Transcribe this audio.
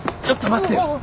ちょっと待ってよ。